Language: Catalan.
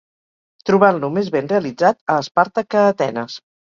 trobant-lo més ben realitzat a Esparta que a Atenes